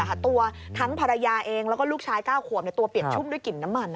แต่ตัวทั้งภรรยาเองและลูกชายก้าวขวบตัวเปลี่ยนชุดด้วยกลิ่นน้ำมัน